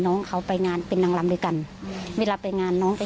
น้องเขาไปงานเป็นนางลำด้วยกันเวลาไปงานน้องไป